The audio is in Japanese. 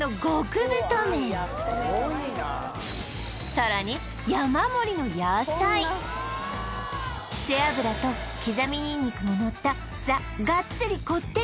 さらに背脂と刻みニンニクものった